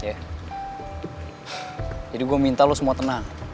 jadi gue minta lo semua tenang